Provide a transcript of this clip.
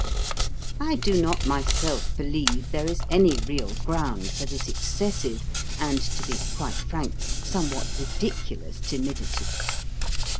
I do not myself believe there is any real ground for this excessive and, to be quite frank, somewhat ridiculous timidity.